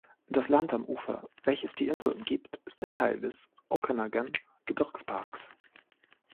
Das Land am Ufer, welches die Insel umgibt, ist ein Teil des Okanagan-Gebirgsparks.